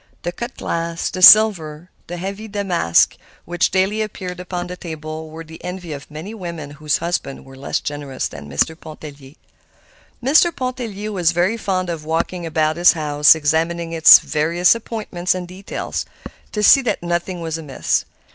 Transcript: The cut glass, the silver, the heavy damask which daily appeared upon the table were the envy of many women whose husbands were less generous than Mr. Pontellier. Mr. Pontellier was very fond of walking about his house examining its various appointments and details, to see that nothing was amiss.